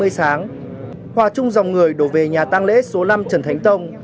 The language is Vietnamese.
sáu h ba mươi sáng hòa chung dòng người đổ về nhà tăng lễ số năm trần thánh tông